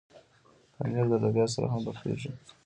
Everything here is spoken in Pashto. پنېر د لوبیا سره هم پخېږي.